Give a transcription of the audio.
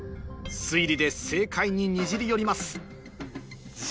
推理で正解ににじり寄ります